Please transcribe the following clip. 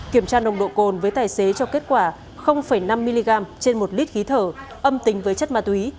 kiểm tra nồng độ cồn với tài xế cho kết quả năm mg trên một lít khí thở âm tính với chất ma túy